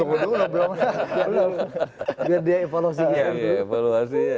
belum belum biar dia evolusi